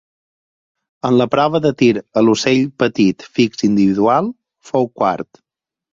En la prova de tir a l'ocell petit fix individual fou quart.